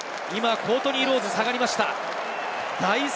コートニー・ロウズが下がりました。